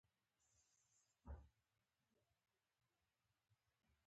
احمد چې سپينې غوښې وخوړې؛ خواپوتی شو.